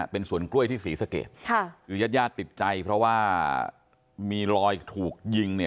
เป็นสวนกล้วยที่ศรีสะเกดค่ะคือญาติญาติติดใจเพราะว่ามีรอยถูกยิงเนี่ย